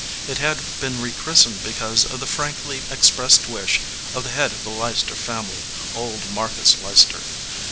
It had been rechristened because of the frankly expressed wish of the head of the Leices ter family, old Marcus Leicester.